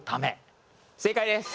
正解です！